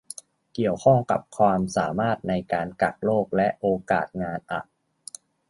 เกี่ยวข้องกับความสามารถในการกักโรคและโอกาสงานอะ